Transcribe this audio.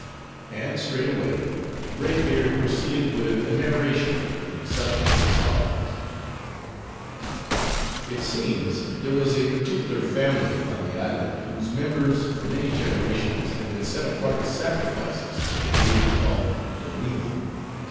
And straightway Braid Beard proceeded with a narration, in substance as follows:— It seems, there was a particular family upon the island, whose members, for many generations, had been set apart as sacrifices for the deity called Doleema.